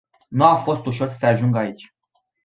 Nu a fost ușor să se ajungă aici.